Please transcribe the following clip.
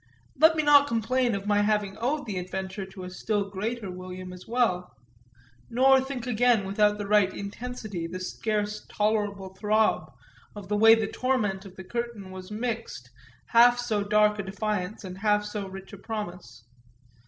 Let me not complain of my having owed the adventure to a still greater William as well, nor think again without the right intensity, the scarce tolerable throb, of the way the torment of the curtain was mixed, half so dark a defiance and half so rich a promise.